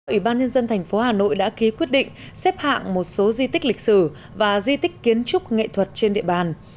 ủy ban nhân dân thành phố hà nội đã ký quyết định xếp hạng một số di tích lịch sử và di tích kiến trúc nghệ thuật trên địa bàn